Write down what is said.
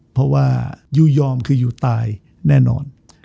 เพราะว่ายูยอมคือยูตายแน่นอน